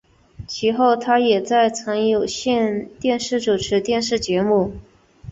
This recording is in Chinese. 其后他也曾在有线电视主持电视节目。